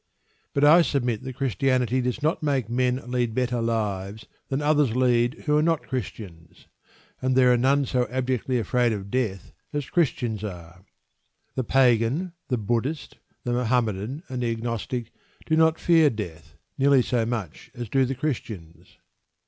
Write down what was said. But I submit that Christianity does not make men lead better lives than others lead who are not Christians, and there are none so abjectly afraid of death as Christians are. The Pagan, the Buddhist, the Mohammedan, and the Agnostic do not fear death nearly so much as do the Christians.